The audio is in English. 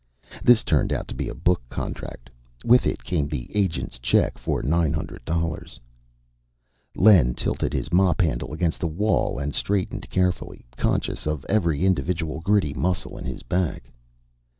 This turned out to be a book contract. With it came the agent's check for nine hundred dollars. Len tilted his mop handle against the wall and straightened carefully, conscious of every individual gritty muscle in his back.